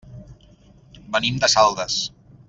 Venim de Saldes.